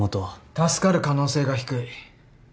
助かる可能性が低い。